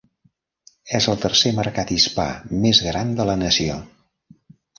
És el tercer mercat hispà més gran de la nació.